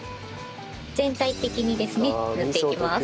全体的にですね塗っていきます。